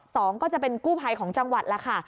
สองก็จะเป็นกู้ภัยของจังหวัดแล้วค่ะ